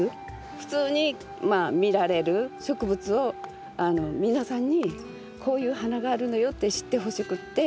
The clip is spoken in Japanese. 普通にまあ見られる植物を皆さんにこういう花があるのよって知ってほしくって。